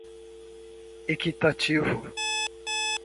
equitativo